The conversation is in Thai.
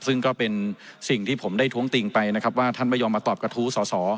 ซึ่งก็เป็นสิ่งที่ผมได้ท้วงติงไปนะครับว่าท่านไม่ยอมมาตอบกระทู้สอสอ